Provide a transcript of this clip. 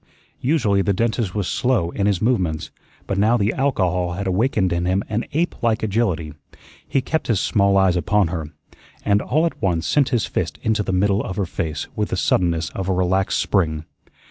Usually the dentist was slow in his movements, but now the alcohol had awakened in him an ape like agility. He kept his small eyes upon her, and all at once sent his fist into the middle of her face with the suddenness of a relaxed spring.